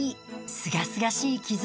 すがすがしい寄贈。